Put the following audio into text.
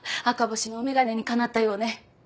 赤星のお眼鏡にかなったようね。